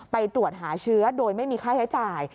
ตรวจหาเชื้อโดยไม่มีค่าใช้จ่าย